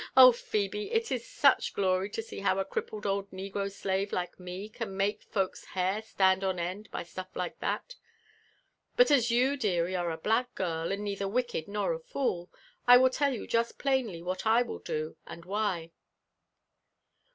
^0h, Phebe, it is such glory to see how a crippled old negro slave like bm oan make folk's hair stand on end by stuff like that I ««*But o you, dairy, are a black girl, and neither wicked nor a fooU I will tell you just plainly what I will do, ind why.